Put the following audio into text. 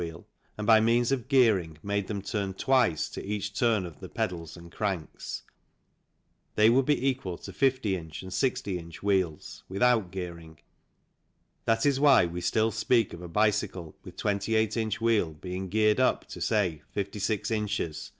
wheel and by means of gearing made them turn twice to each turn of the pedals and cranks, they would be equal to 50 in. and 60 in. wheels without gearing that is why we still speak of a bicycle with 28 in. wheel being geared up to, say, 56 ins.